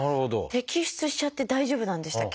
摘出しちゃって大丈夫なんでしたっけ？